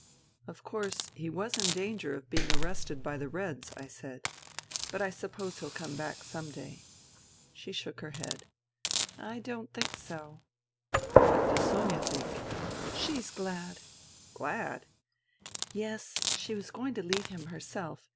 " Of course, he was in danger of being arrested by the Reds," I said. " But I suppose he'll come back some day." She shook her head. " I don't think so." " What does Sonia think ?"" She's glad." " Glad ?"" Yes. She was going to leave him herself